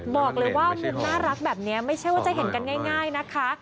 บอกเลยว่ามุมน่ารักแบบนี้ไม่ใช่ว่าจะเห็นกันง่ายนะคะ